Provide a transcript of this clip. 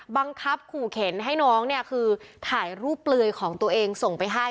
บังคับขู่เข็นให้น้องเนี่ยคือถ่ายรูปเปลือยของตัวเองส่งไปให้